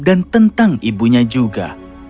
dan tentang ibunya juga